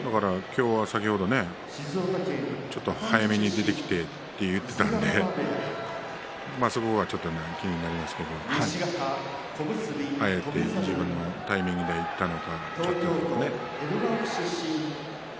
今日は先ほどちょっと早めに出てきてって言ってたんでそこがちょっと気になりますけれども自分のタイミングで行ったのかどうかね。